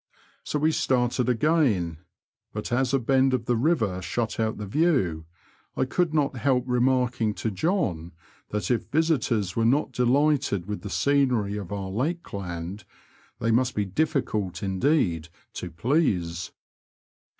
So we started again, but as a bend of the river shut out the view, I could not help remarking to John that if visitors were not deUghted with the scenery of our lakeland, they must be difficult indeed to please.